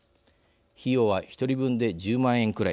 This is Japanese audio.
費用は１人分で１０万円くらい。